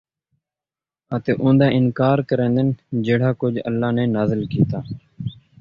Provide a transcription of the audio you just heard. اَتے اوندا اِنکار کریندن جِہڑا کُجھ اللہ نے نازل کِیتے